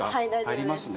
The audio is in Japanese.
入りますね。